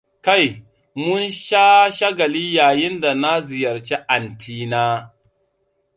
Kai mun sha shagali yayin da na ziyarci antina!